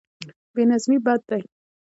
بې نظمي بد دی.